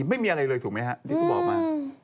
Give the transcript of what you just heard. ไม่มีอะไรเลยถูกไหมฮะที่เขาบอกมา